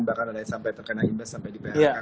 bahkan ada yang sampai terkena imbas sampai diberakan